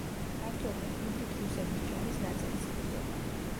ქართველთა გვერდით რუსების ჯარის ნაწილიც იბრძოდა.